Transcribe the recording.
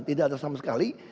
tidak ada sama sekali